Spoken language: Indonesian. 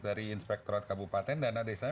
dari inspektorat kabupaten dana desa